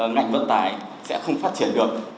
ngành vận tài sẽ không phát triển được